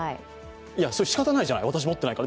それ、しかたないじゃない、私、持ってないから。